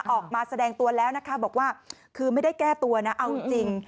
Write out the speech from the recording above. ออกมาแสดงตัวแล้วนะคะบอกว่าคือไม่ได้แก้ตัวนะเอาจริง